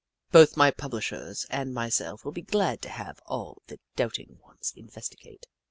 Both my publishers and myself will be glad to have all the doubt ing ones investigate.